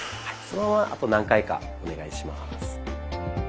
そのままあと何回かお願いします。